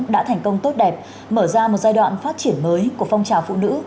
đã thành công tốt đẹp mở ra một giai đoạn phát triển mới của phong trào phụ nữ